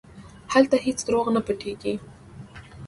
هلته هېڅ دروغ نه پټېږي.